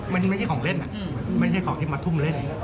ไม่ใช่ของเล่นไม่ใช่ของที่มาทุ่มเล่น